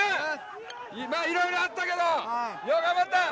いろいろあったけどよう頑張った。